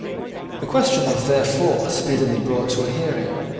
The question was therefore speedily brought to a hearing.